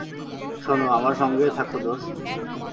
শোনো, আমার সঙ্গেই থাকো, দোস্ত।